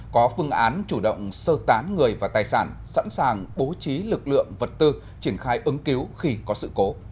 có phương án chủ động sơ tán người và tài sản sẵn sàng bố trí lực lượng vật tư triển khai ứng cứu khi có sự cố